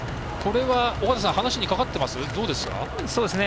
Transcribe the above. これは、離しにかかってますか？